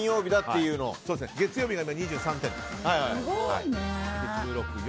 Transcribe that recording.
月曜日が２３点。